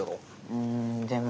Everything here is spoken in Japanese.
うんでも。